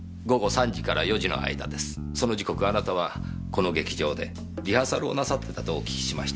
その時刻あなたはこの劇場でリハーサルをなさってたとお聞きしました。